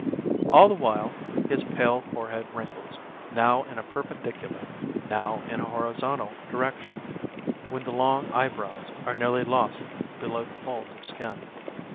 All the while his pale forehead wrinkles, now in a perpendicular, now in a horizontal, direction, when the long eyebrows are nearly lost below the folds of skin.